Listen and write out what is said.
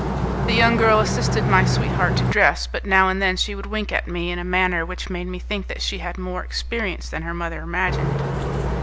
The young girl assisted my sweetheart to dress, but now and then she would wink at me in a manner which made me think that she had more experience than her mother imagined.